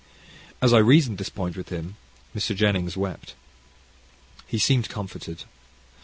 As I reasoned this point with him, Mr. Jennings wept. He seemed comforted.